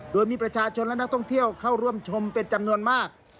โดยมีประชาชนและนักท่องเที่ยวเข้าร่วมชมเป็นจำนวนมาก